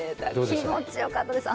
気持ちよかったです。